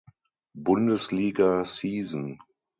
Bundesliga season.